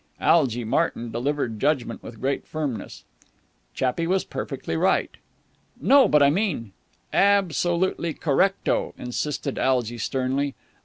Algy Martyn delivered judgment with great firmness. "Chappie was perfectly right!" "No, but I mean...." "Absolutely correct o," insisted Algy sternly.